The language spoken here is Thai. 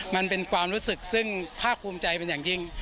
มันเป็นความรู้สึกซึ่งภาคภูมิใจเป็นอย่างยิ่ง